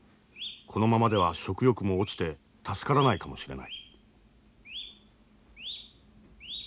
このままでは食欲も落ちて助からないかもしれない。